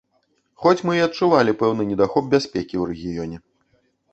Хоць мы і адчувалі пэўны недахоп бяспекі ў рэгіёне.